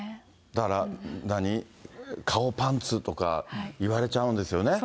だから、顔パンツとか言われちゃうんですよね。